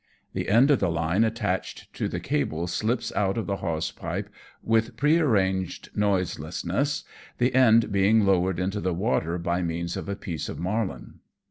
The end of the line attached to the cable slips out of the hawse pipe with prearranged noiselessness, the end being lowered into the water by means of a piece of marline.